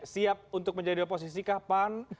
siap untuk menjadi oposisi kapan